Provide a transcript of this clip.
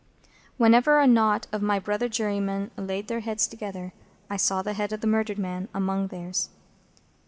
Whenever a knot of my brother jurymen laid their heads together, I saw the head of the murdered man among theirs.